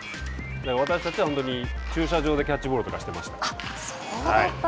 私たちは、本当に駐車場でキャッチボールとかしていました。